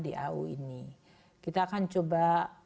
di au ini kita akan coba